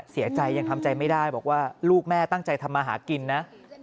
เสียใจยังทำใจไม่ได้บอกว่าลูกแม่ตั้งใจทำมาหากินนะ